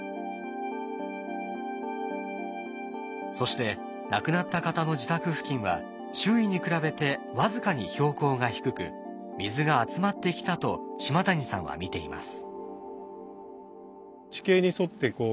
そして亡くなった方の自宅付近は周囲に比べて僅かに標高が低く水が集まってきたと島谷さんは見ています。